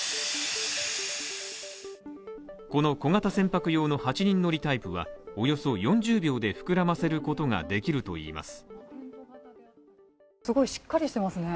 この小型船舶用の８人乗りタイプはおよそ４０秒で膨らませることができるといいます。